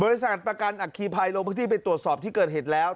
บริษัทประกันอัคคีภัยโรงพยาบาลที่ไปตรวจสอบที่เกิดเหตุแล้ว